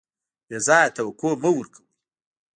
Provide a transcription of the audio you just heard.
بې ځایه توقع مه ورکوئ.